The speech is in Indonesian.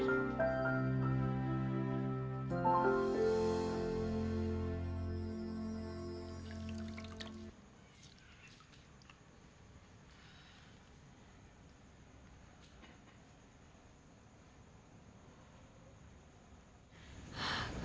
aku juga suka